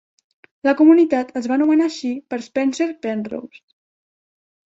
La comunitat es va anomenar així per Spencer Penrose.